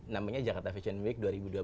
namanya jakarta fashion week dua ribu dua puluh